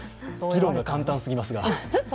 議論が簡単すぎますが。